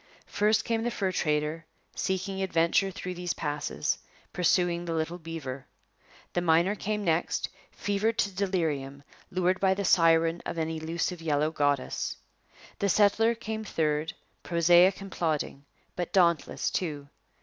First came the fur trader, seeking adventure through these passes, pursuing the little beaver. The miner came next, fevered to delirium, lured by the siren of an elusive yellow goddess. The settler came third, prosaic and plodding, but dauntless too.